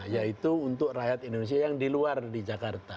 yaitu untuk rakyat indonesia yang di luar di jakarta